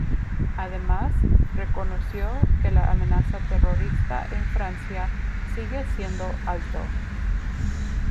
Además, reconoció que la amenaza terrorista en Francia sigue siendo alto.